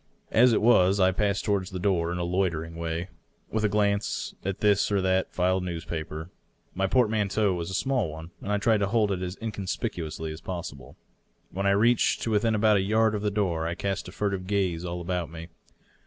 As it was, I passed toward the door in a loitering way, with a glance at this or that filed newspaper. My portmanteau was a small one, and I tried to hold it as inconspicuously as possible. When I had reached to within about a yard of the door, I cast a furtive gaze all about me.